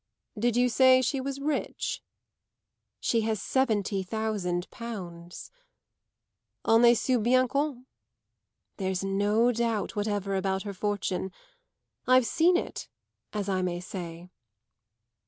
"Did you say she was rich?" "She has seventy thousand pounds." "En ecus bien comptes?" "There's no doubt whatever about her fortune. I've seen it, as I may say."